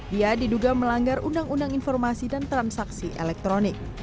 dia diduga melanggar undang undang informasi dan transaksi elektronik